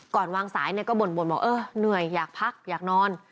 ก่อนวางสายเนี่ยก็บ่นบ่นว่าเออเหนื่อยอยากพักอยากนอน